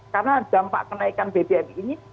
karena dampak kenaikan bpm ini